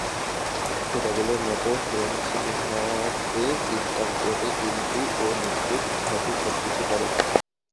সে পাগলের মতো সৃজনশীলভাবে চিন্তা করে কিন্তু, ও নিখুঁতভাবে সবকিছু করে।